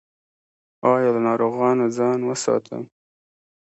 ایا له ناروغانو ځان وساتم؟